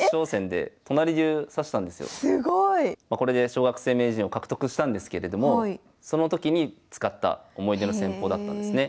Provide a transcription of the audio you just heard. これで小学生名人を獲得したんですけれどもその時に使った思い出の戦法だったんですね。